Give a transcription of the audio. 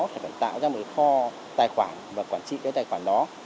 phải tạo ra một kho tài khoản và quản trị cái tài khoản đó